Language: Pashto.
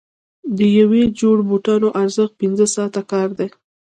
د یوې جوړې بوټانو ارزښت پنځه ساعته کار دی.